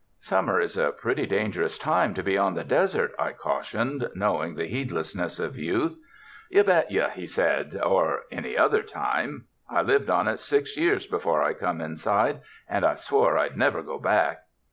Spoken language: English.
"Summer is a pretty dangerous time to be on the desert," I cautioned, knowing the heedlessness of youth. "You bet you," he said, "or any other time. I lived on it six years before I come inside, and I swore I'd never go back."